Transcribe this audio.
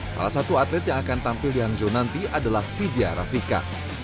salah satu atlet yang akan tampil di hangzhou nanti adalah vidya rafika